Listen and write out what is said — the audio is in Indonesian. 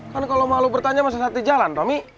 kan kalo mau lu bertanya masa satu jalan tommy